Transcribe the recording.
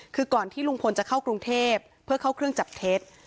คือก่อนที่ลุงพลจะเข้ากรุงเทพเพื่อเข้าเครื่องจับเท็จ